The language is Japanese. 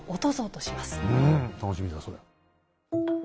うん楽しみだそれ。